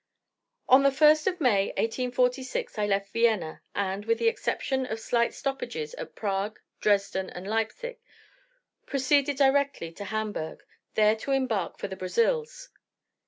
On the first of May, 1846, I left Vienna, and, with the exception of slight stoppages at Prague, Dresden, and Leipsic, proceeded directly to Hamburgh, there to embark for the Brazils.